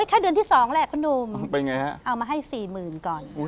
เอ๊ยใครเดือนที่๒แล้วครับคุณหนูเอามาให้๔๐๐๐๐ก่อน